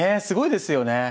すごいですよね。